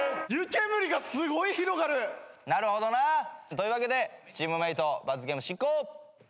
なるほどな。というわけでチームメート罰ゲーム執行。